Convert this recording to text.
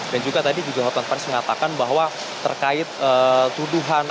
dan juga tadi juga hukuman taris mengatakan bahwa terkait tuduhan